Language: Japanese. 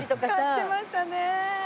買ってましたね。